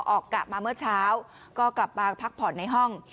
กะมาเมื่อเช้าก็กลับมาพักผ่อนในห้อง